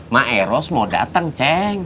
maeros mau datang ceng